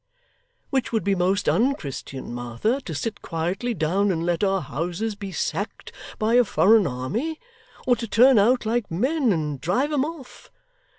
Which would be most unchristian, Martha to sit quietly down and let our houses be sacked by a foreign army, or to turn out like men and drive 'em off?